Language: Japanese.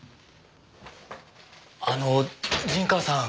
あの陣川さん